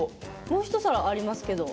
もう一皿ありますけど。